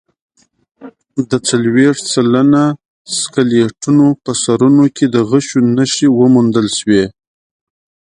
د څلوېښت سلنه سکلیټونو په سرونو کې د غشو نښې وموندل شوې.